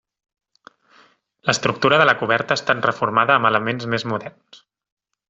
L'estructura de la coberta ha estat reformada amb elements més moderns.